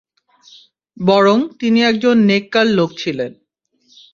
বরং তিনি একজন নেককার লোক ছিলেন।